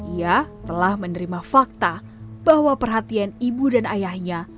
ia telah menerima fakta bahwa perhatian ibu dan ayahnya